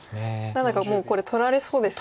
何だかもうこれ取られそうですね。